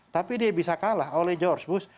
tapi dia bisa kalah oleh george bush